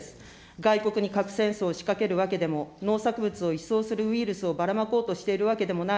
外国に核戦争を仕掛けるわけでも、農作物を一掃するウイルスをばらまこうとしているわけでもない。